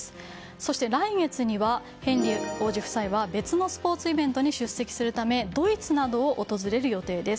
そして、来月にはヘンリー王子夫妻は別のスポーツイベントに出席するためドイツなどを訪れる予定です。